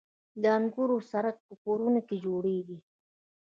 د انګورو سرکه په کورونو کې جوړیږي.